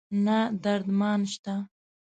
نه درد مان شته